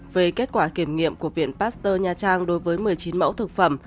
về kết quả kiểm nghiệm của viện pasteur nha trang đối với một mươi chín mẫu thực phẩm